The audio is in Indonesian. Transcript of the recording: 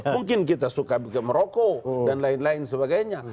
mungkin kita suka merokok dan lain lain sebagainya